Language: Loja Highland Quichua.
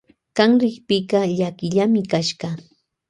Kan rikpika llakillami kasha.